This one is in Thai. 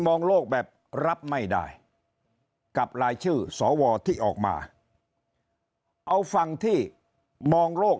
มองโลกแบบรับไม่ได้กับรายชื่อสวที่ออกมาเอาฝั่งที่มองโลก